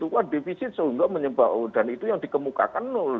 wah defisit seolah olah menyebabkan dan itu yang dikemukakan nul